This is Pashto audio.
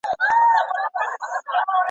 ما بې بخته له سمسوره باغه واخیسته لاسونه!